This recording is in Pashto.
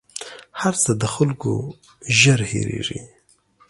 هر څه د خلکو ژر هېرېـږي